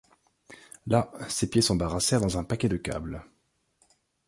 Là, ses pieds s’embarrassèrent dans un paquet de câbles.